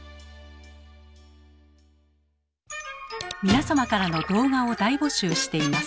皆様からの動画を大募集しています。